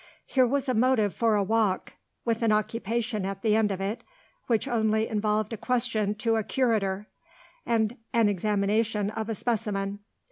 Here was a motive for a walk with an occupation at the end of it, which only involved a question to a Curator, and an examination of a Specimen.